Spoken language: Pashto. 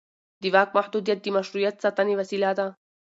د واک محدودیت د مشروعیت ساتنې وسیله ده